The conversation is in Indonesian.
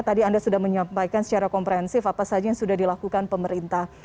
tadi anda sudah menyampaikan secara komprehensif apa saja yang sudah dilakukan pemerintah